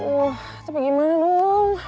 wah tapi gimana dong